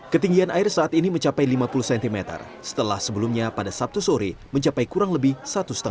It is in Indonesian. ketinggian air saat ini mencapai lima puluh cm setelah sebelumnya pada sabtu sore mencapai kurang lebih satu lima meter